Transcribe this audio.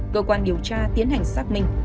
cơ quan điều tra tiến hành xác minh